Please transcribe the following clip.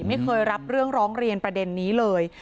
ไม่เคยรับเรื่องร้องเรียนประเด็นนี้เลย